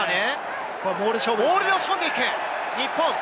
モールで押し込んでいく日本。